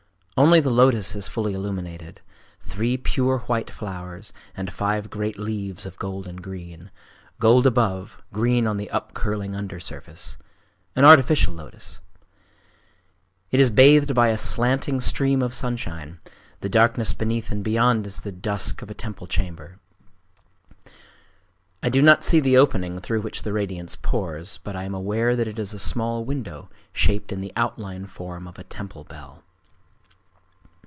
Only the lotos is fully illuminated: three pure white flowers, and five great leaves of gold and green,—gold above, green on the upcurling under surface,—an artificial lotos. It is bathed by a slanting stream of sunshine,—the darkness beneath and beyond is the dusk of a temple chamber. I do not see the opening through which the radiance pours, but I am aware that it is a small window shaped in the outline form of a temple bell.